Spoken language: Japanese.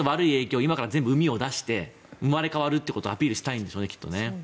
今から全部うみを出して生まれ変わるということをアピールしたいんでしょうね。